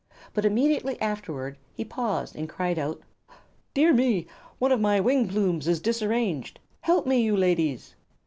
But immediately afterward he paused and cried out: "Dear me! One of my wing plumes is disarranged. Help me, you ladies!"